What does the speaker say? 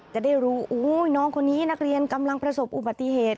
จะได้รู้น้องคนนี้นักเรียนกำลังประสบอุบัติเหตุ